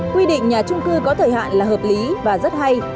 quy định nhà trung cư có thời hạn là hợp lý và rất hay